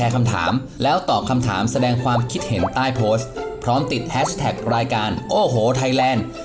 ความคิดเห็นใต้โพสต์พร้อมติดแฮชแท็กรายการโอโหทัยแลนด์